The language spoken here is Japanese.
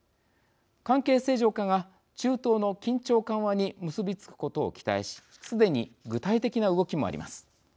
関係正常化が中東の緊張緩和に結び付くことを期待しすでに具体的な動きもあります。